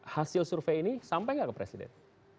hasil survei ini sampai nggak ke presiden